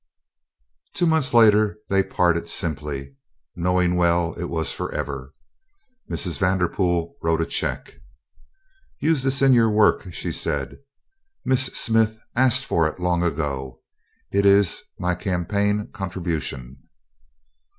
Two months later they parted simply, knowing well it was forever. Mrs. Vanderpool wrote a check. "Use this in your work," she said. "Miss Smith asked for it long ago. It is my campaign contribution."